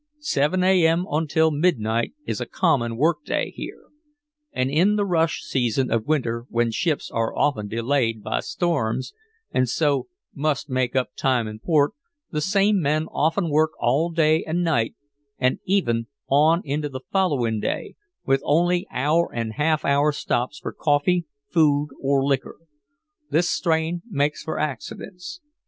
Seven a. m. until midnight is a common work day here, and in the rush season of winter when ships are often delayed by storms and so must make up time in port, the same men often work all day and night and even on into the following day, with only hour and half hour stops for coffee, food or liquor. This strain makes for accidents.